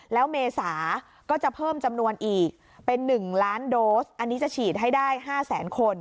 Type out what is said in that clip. แล้วเมษาก็จะเพิ่มจำนวนอีกเป็น๑ล้านโดสอันนี้จะฉีดให้ได้๕แสนคน